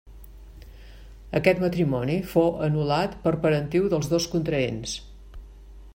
Aquest matrimoni fou anul·lat per parentiu dels dos contraents.